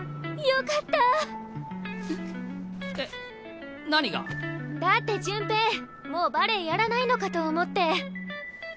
うっえっ何が？だって潤平もうバレエやらないのかと思って。